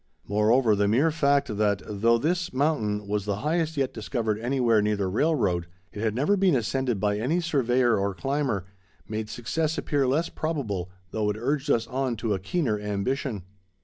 Moreover, the mere fact that, though this mountain was the highest yet discovered anywhere near the railroad, it had never been ascended by any surveyor or climber, made success appear less probable, though it urged us on to a keener ambition.